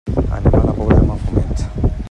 Anem a la Pobla de Mafumet.